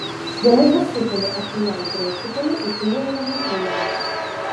Яны засыпалі афінян дроцікамі і тыя не вытрымалі.